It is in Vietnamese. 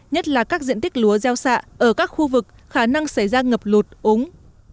nhất là các diện tích lúa gieo xạ ở các khu vực khả năng xảy ra ngập lụt úng